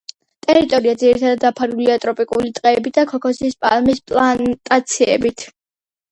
ტერიტორია ძირითადად დაფარულია ტროპიკული ტყეებით და ქოქოსის პალმის პლანტაციებით.